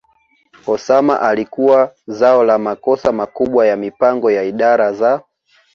Osama alikuwa zao la makosa makubwa ya mipango ya idara za